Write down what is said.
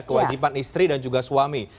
kewajiban istri dan juga suami